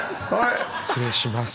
失礼します。